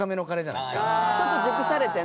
ちょっと熟されてね。